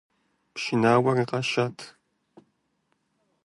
Пшынауэр къашат.